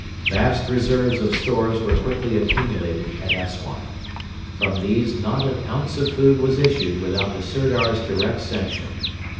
Vast reserves of stores were quickly accumulated at Assuan. From these not an ounce of food was issued without the Sirdar's direct sanction.